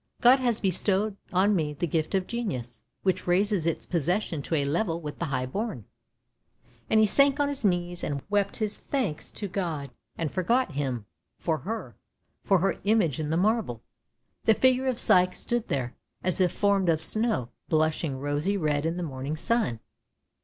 God has bestowed on me the gift of genius, which raises its possession to a level with the high born." And he sank on his knees, and wept his thanks to God, and forgot Him for her — for her image in marble. The figure of Psyche stood there, as if formed of snow, blushing rosy red in the morning sun.